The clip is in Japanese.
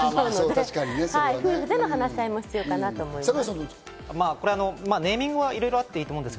夫婦での話し合いも必要かと思います。